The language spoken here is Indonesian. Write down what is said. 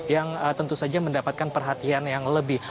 yang tentu saja mendapatkan perhatian yang lebih